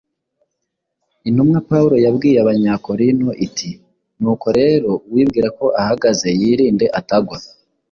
Intumwa pawulo yabwiye abanyakorinto ati: “nuko rero uwibwira ko ahagaze, yirinde atagwa.”